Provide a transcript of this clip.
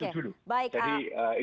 saya kira itu dulu